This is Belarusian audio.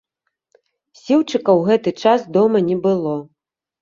Сіўчыка ў гэты час дома не было.